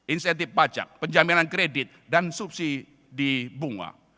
insentif pajak penjaminan kredit dan subsidi bunga